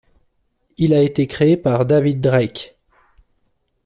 Il a été créé par David Drake.